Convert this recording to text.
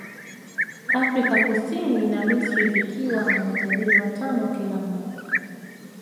Afrika Kusini na Misri zikiwa na matajiri watano kila mmoja